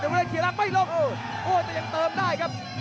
โอ้ยแต่ยังเติมได้ครับ